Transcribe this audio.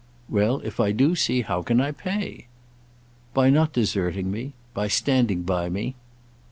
"Well, if I do see, how can I pay?" "By not deserting me. By standing by me."